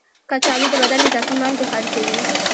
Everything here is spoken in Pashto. کچالو د بدن اضافي مالګې خارجوي.